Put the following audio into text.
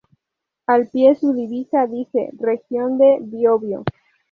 Al pie su divisa dice "Región de Biobío".